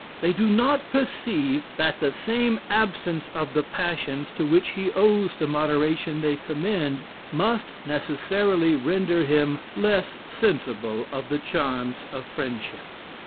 They do not perceive, that the same absence of the passions, to which he owes the moderation they commend, must necessarily render him less sensible of the charms of friendship."